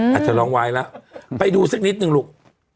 อาจจะร้องวายแล้วไปดูสักนิดนึงลูก